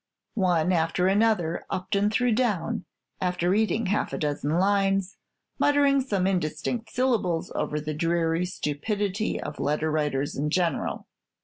One after another Upton threw down, after reading half a dozen lines, muttering some indistinct syllables over the dreary stupidity of letter writers in general.